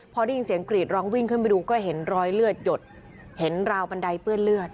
พอได้ยินเสียงกรีดร้องวิ่งขึ้นไปดูก็เห็นรอยเลือดหยดเห็นราวบันไดเปื้อนเลือด